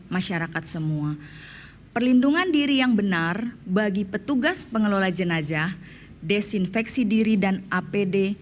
masyarakat semua perlindungan diri yang benar bagi petugas pengelola jenazah desinfeksi diri dan apd